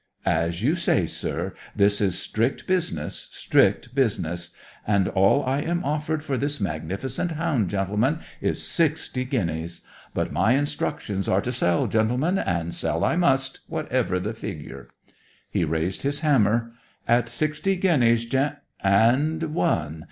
"As you say, sir, this is strict business, strict business; and all I am offered for this magnificent hound, gentlemen, is sixty guineas! But my instructions are to sell, gentlemen; and sell I must, whatever the figure." He raised his hammer. "At sixty guineas, gent and one.